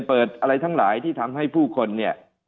เปิดอะไรทั้งหลายที่ทำให้ผู้คนเนี่ย